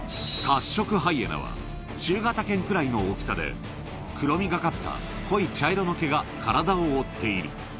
カッショクハイエナは、中型犬ぐらいの大きさで、黒みがかった濃い茶色の毛が体を覆っている。